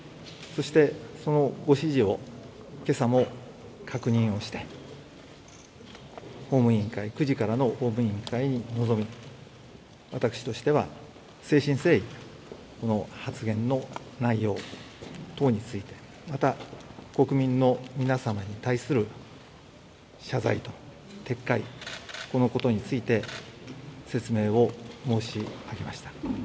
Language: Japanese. そして、そのご指示を今朝も確認をして、９時からの法務委員会に臨み私としては誠心誠意、この発言の内容等についてまた、国民の皆様に対する謝罪と撤回、このことについて説明を申し上げました。